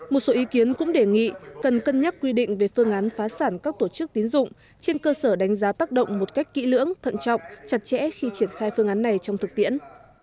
một số ý kiến cũng đề nghị cần cân nhắc quy định về phương án phá sản các tổ chức tín dụng trên cơ sở đánh giá tác động một cách kỹ lưỡng thận trọng chặt chẽ khi triển khai phương án này trong thực tiễn